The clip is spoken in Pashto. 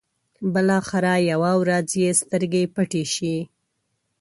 بلاخره يوه ورځ يې سترګې پټې شي.